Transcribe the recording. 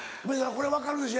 これ分かるでしょ。